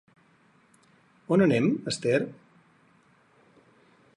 On anem, Esther?